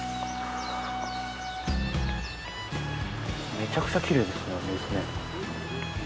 めちゃくちゃきれいですね、水ね。